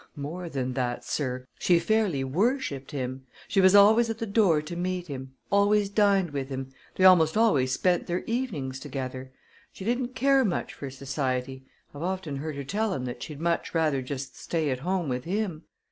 "More than that, sir; she fairly worshiped him. She was always at the door to meet him; always dined with him; they almost always spent their evenings together. She didn't care much for society I've often heard her tell him that she'd much rather just stay at home with him.